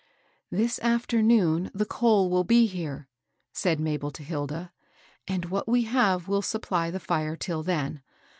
^* This afternoon the coal will be here," said Ma bel to Hilda, "and what we have will supply the fire till then.